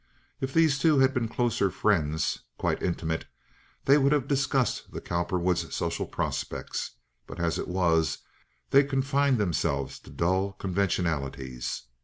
If these two had been closer friends, quite intimate, they would have discussed the Cowperwoods' social prospects; but as it was, they confined themselves to dull conventionalities.